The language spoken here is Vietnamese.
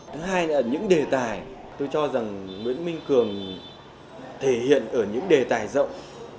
thứ hai là những đề tài tôi cho rằng nguyễn minh cường thể hiện ở những đề tài rộng